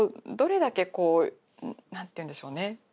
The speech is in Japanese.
どれだけこう何て言うんでしょうね。